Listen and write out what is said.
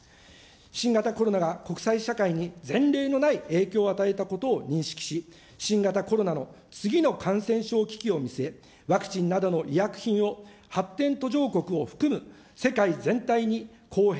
新型コロナが国際社会に前例のない影響を与えたことを認識し、新型コロナの次の感染症危機を見据え、ワクチンなどの医薬品を発展途上国を含む、世界全体に公平、